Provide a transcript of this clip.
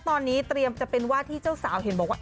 ตอนนี้เตรียมจะเป็นว่าที่เจ้าสาวเห็นบอกว่า